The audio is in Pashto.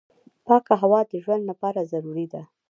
پاکه هوا د ژوند لپاره ضروري ده.